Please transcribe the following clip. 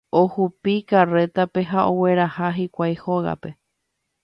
Ohupi karrétape ha ogueraha hikuái hógape.